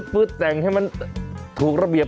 แต่งให้มันถูกระเบียบ